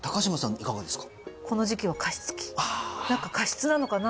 いかがですか？